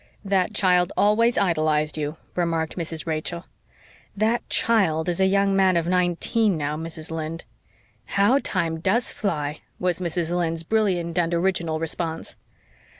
"That child always idolised you," remarked Mrs. Rachel. "That 'child' is a young man of nineteen now, Mrs. Lynde." "How time does fly!" was Mrs. Lynde's brilliant and original response.